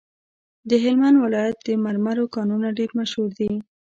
د هلمند ولایت د مرمرو کانونه ډیر مشهور دي.